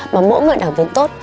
mà mỗi người đảng viên tốt